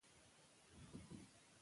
که ژورنالیست خوندي وي نو غږ نه خپیږي.